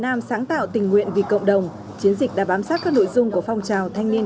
nam sáng tạo tình nguyện vì cộng đồng chiến dịch đã bám sát các nội dung của phong trào thanh niên